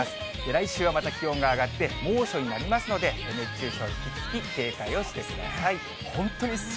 来週はまた気温が上がって猛暑になりますので、熱中症に引き続き警戒をしてください。